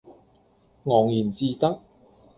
昂然自得